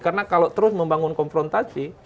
karena kalau terus membangun konfrontasi